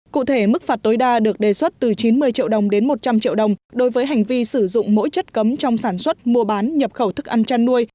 cụ thể mức phạt tối đa được đề xuất từ chín mươi triệu đồng đến một trăm linh triệu đồng đối với hành vi sử dụng mỗi chất cấm trong sản xuất mua bán nhập khẩu thức ăn chăn nuôi